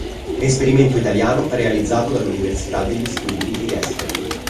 Esperimento italiano realizzato dall'Università degli Studi di Trieste.